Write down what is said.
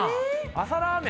朝ラーメン？